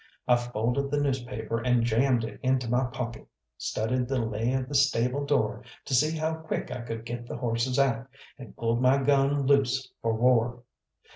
I folded the newspaper and jammed it into my pocket, studied the lay of the stable door to see how quick I could get the horses out, and pulled my gun loose for war.